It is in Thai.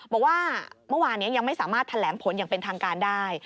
บอกว่าเมื่อวานนี้ยังไม่สามารถแถลงผลอย่างเป็นทางการได้